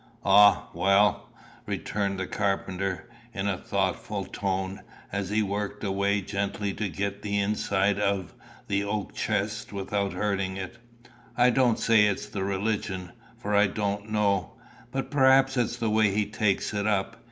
"Ah, well," returned the carpenter, in a thoughtful tone, as he worked away gently to get the inside out of the oak chest without hurting it, "I don't say it's the religion, for I don't know; but perhaps it's the way he takes it up.